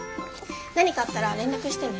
何かあったら連絡してね。